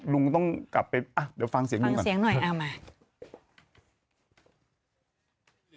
ลุงต้องกลับไปเดี๋ยวฟังเสียงหนึ่งก่อนเอามาฟังเสียงหน่อย